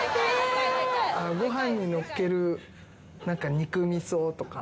ご飯にのっける肉味噌とか。